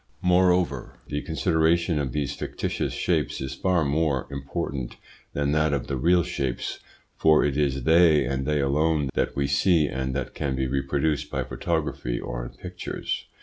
Moreover, the consideration of these fictitious shapes is far more important than that of the real shapes, for it is they and they alone that we see and that can be reproduced by photography or in pictures.